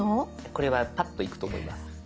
これはパッといくと思います。